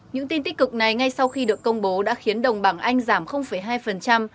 những tin tích cực này ngay sau khi được công bố đã khiến đồng bảng anh giảm hai